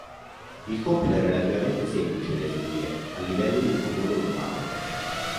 Il compito è relativamente semplice da eseguire a livello di un comune urbano.